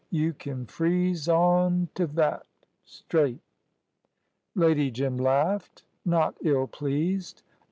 You kin freeze on t' thet, straight." Lady Jim laughed, not ill pleased.